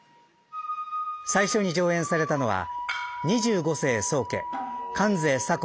最初に上演されたのは二十五世宗家観世左近